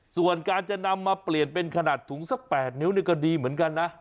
ส่วนการจะนำมาเปลี่ยนเป็นขนาดถุงสัก๘นิ้วนี่ก็ดีเหมือนกันนะ